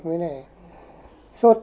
nên là sốt